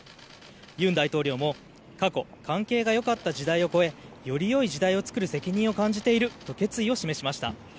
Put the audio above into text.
尹大統領も過去関係がよかった時代を超えよりよい時代を作る責任を感じていると決意を示しました。